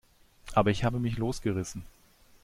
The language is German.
Aber ich habe mich losgerissen.